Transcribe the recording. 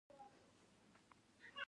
زما پۀ لیدو خوښ هم و او حیران هم.